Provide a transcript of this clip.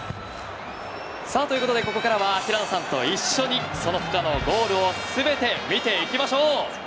さあということでここからは平野さんと一緒にその他のゴールを全て見ていきましょう。